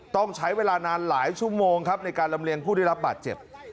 ต้องใช้เวลานานหลายชั่วโมงครับในการลำเลียงผู้ได้รับบาดเจ็บ